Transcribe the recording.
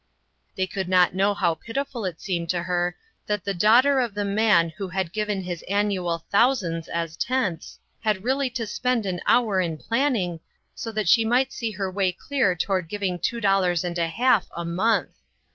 They could not know how pitiful it seemed to her that the daughter of the man who had given his annual thousands as tenths, had really to spend an hour in planning, so 102 INTERRUPTED. that she might see her way clear toward giving two dollars and a half a month